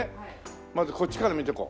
まずこっちから見ていこう。